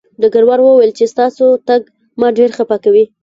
ډګروال وویل چې ستاسو تګ ما ډېر خپه کوي